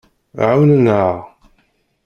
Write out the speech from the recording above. Ɛawnen-aɣ.